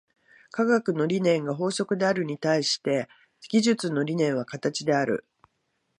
科学の理念が法則であるに対して、技術の理念は形である。